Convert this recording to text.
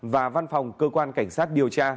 và văn phòng cơ quan cảnh sát điều tra